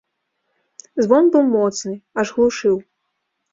Звон быў моцны, аж глушыў.